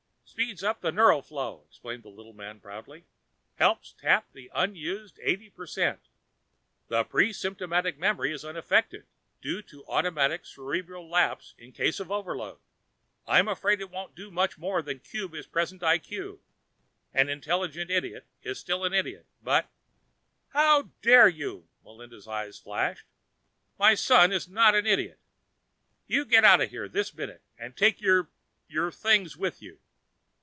"Speeds up the neural flow," explained the little man proudly. "Helps tap the unused eighty per cent. The pre symptomatic memory is unaffected, due to automatic cerebral lapse in case of overload. I'm afraid it won't do much more than cube his present IQ, and an intelligent idiot is still an idiot, but " "How dare you?" Melinda's eyes flashed. "My son is not an idiot! You get out of here this minute and take your things with you."